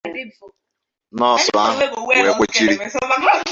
nọọsụ ahụ wee kwechiri.